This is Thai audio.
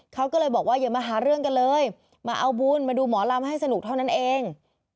เขาก็เลยบอกว่าอย่ามาหาเรื่องกันเลยมาเอาบุญมาดูหมอลำให้สนุกเท่านั้นเอง